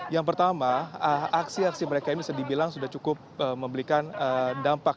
yang pertama aksi aksi mereka ini bisa dibilang sudah cukup memberikan dampak